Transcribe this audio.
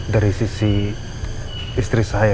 dari sisi istri saya